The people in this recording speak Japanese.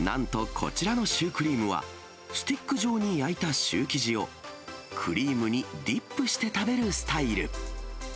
こちらのシュークリームは、スティック状に焼いたシュー生地を、クリームにディップして食べるスタイル。